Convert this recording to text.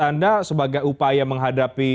anda sebagai upaya menghadapi